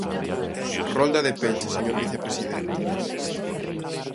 Rolda de peche, señor vicepresidente.